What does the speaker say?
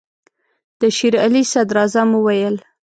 د شېر علي صدراعظم وویل.